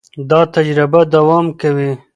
دا تجربه دوام کوي.